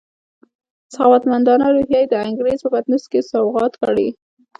په سخاوتمندانه روحیه یې د انګریز په پطنوس کې سوغات کړې.